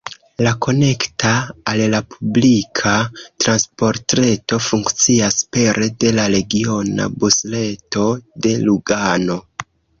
La konekta al la publika transportreto funkcias pere de la regiona busreto de Lugano.